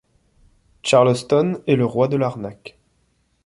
Charleston est le roi de l'arnaque.